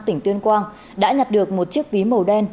tỉnh tuyên quang đã nhặt được một chiếc ví màu đen